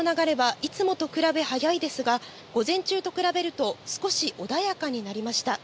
川の流れはいつもと比べ速いですが、午前中と比べると少し穏やかになりました。